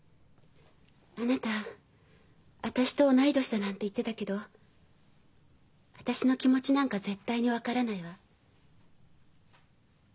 あなた私と同い年だなんて言ってたけど私の気持ちなんか絶対に分からないわ。